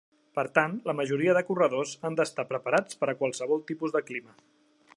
Per tant, la majoria de corredors han d'estar preparats per a qualsevol tipus de clima.